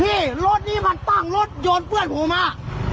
พี่รถนี้มันตั้งรถโยนเพื่อนผมมา